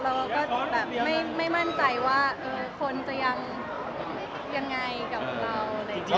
เราก็แบบไม่มั่นใจว่าคนจะยังยังไงกับเรา